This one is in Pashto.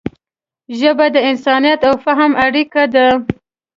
ژبه د انسانیت او فهم اړیکه ده